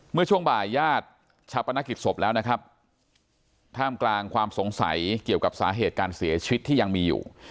เมื่อช่วงบ่ายญาติชาปนกิจศพแล้วนะครับท่ามกลางความสงสัยเกี่ยวกับสาเหตุการเสียชีวิตที่ยังมีอยู่